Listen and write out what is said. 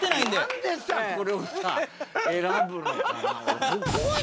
なんでさこれをさ選ぶのかな。